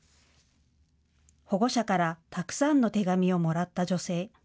保護者からたくさんの手紙をもらった女性。